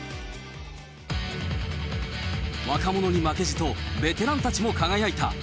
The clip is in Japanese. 若者に負けじと、ベテランたちも輝いた。